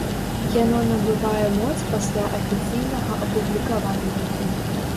Яно набывае моц пасля афіцыйнага апублікавання.